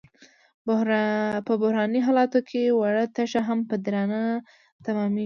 په بحراني حالاتو کې وړه تشه هم په درانه تمامېږي.